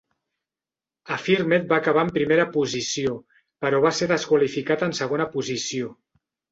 Affirmed va acabar en primera posició però va ser desqualificat en segona posició.